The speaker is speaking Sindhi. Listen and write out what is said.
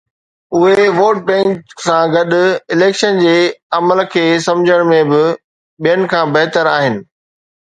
اهي ووٽ بئنڪ سان گڏ اليڪشن جي عمل کي سمجهڻ ۾ به ٻين کان بهتر آهن.